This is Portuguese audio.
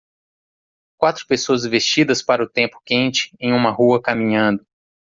Quatro pessoas vestidas para o tempo quente em uma rua caminhando.